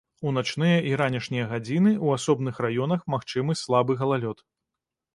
У начныя і ранішнія гадзіны ў асобных раёнах магчымы слабы галалёд.